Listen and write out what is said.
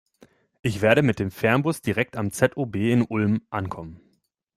Ich werde mit dem Fernbus direkt am ZOB in Ulm ankommen.